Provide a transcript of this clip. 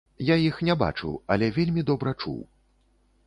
Я іх не бачыў, але вельмі добра чуў.